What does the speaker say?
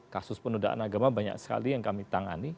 kasus penodaan agama banyak sekali yang kami tangani